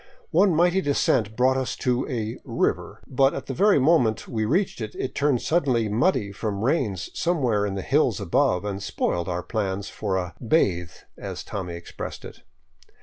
One mighty descent brought us to a " river," but at the very moment we reached it, it turned suddenly muddy from rains somewhere in the hills above and spoiled our plan for a " bathe," as Tommy expressed it.